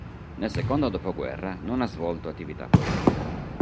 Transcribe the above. Nel secondo dopoguerra non ha svolto attività politica.